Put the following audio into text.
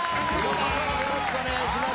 よろしくお願いします。